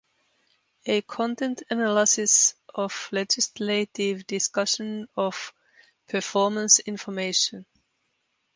A Content Analysis of Legislative Discussion of Performance Information.